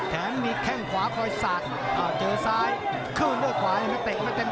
แถมมีแค่งขวาพลอยสาดเจอซ้ายเขินไปขวายังไม่เตะมาเต็ม